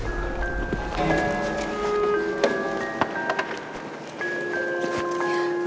lagi lagi mereka berdua lagi